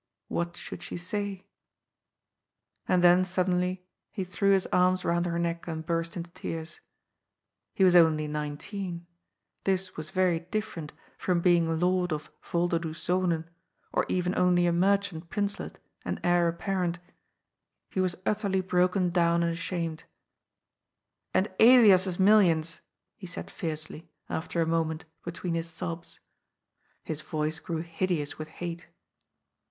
What should she say ? 122 GOD'S FOOL. And then suddenly he threw his arms ronnd her neck and burst into tears. He was only nineteen. This was yery different from being lord of Volderdoes Zonen," or even only a merchant princelet and heir apparent. He was utterly broken down and ashamed. ^^And Elias's millions!" he said fiercely, after a mo ment, between his sobs. His voice grew hideous with hate.